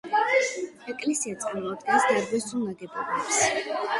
ეკლესია წარმოადგენს დარბაზულ ნაგებობას.